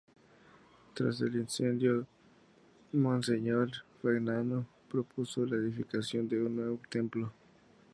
Tras el incendio monseñor Fagnano propuso la edificación de un nuevo templo.